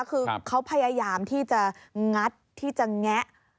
คือเขาพยายามที่จะ